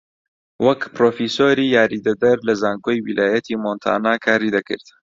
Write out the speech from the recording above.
وەک پرۆفیسۆری یاریدەدەر لە زانکۆی ویلایەتی مۆنتانا کاری دەکرد